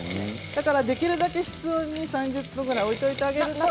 だからできるだけ室温に３０分ぐらい置いておいてあげると。